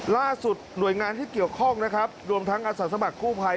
ล่าสุดหน่วยงานที่เกี่ยวข้องนะครับรวมทั้งอาสาสมัครกู้ภัย